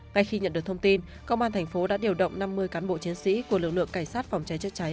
ngay khi nhận được thông tin công an tp đã điều động năm mươi cán bộ chiến sĩ của lực lượng cảnh sát phòng cháy chất cháy